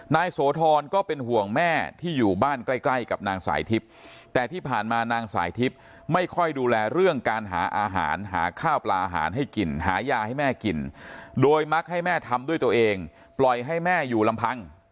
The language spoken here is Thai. โสธรก็เป็นห่วงแม่ที่อยู่บ้านใกล้ใกล้กับนางสายทิพย์แต่ที่ผ่านมานางสายทิพย์ไม่ค่อยดูแลเรื่องการหาอาหารหาข้าวปลาอาหารให้กินหายาให้แม่กินโดยมักให้แม่ทำด้วยตัวเองปล่อยให้แม่อยู่ลำพัง